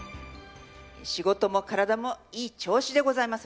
仕事も体もいい調子でございます